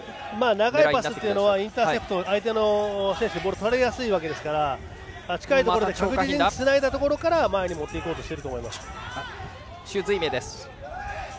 長いパスというのはインターセプト相手の選手にボールをとられやすいわけですから近いところで確実につないだところから前に持っていこうとしていると思います。